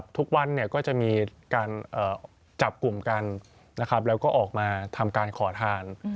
ทุกวันก็จะมีการจับกลุ่มกันแล้วก็ออกมาทำการขอทาน